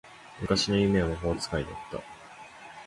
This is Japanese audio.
昔の夢は魔法使いだった